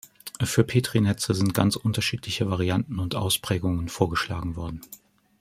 Für Petri-Netze sind ganz unterschiedliche Varianten und Ausprägungen vorgeschlagen worden.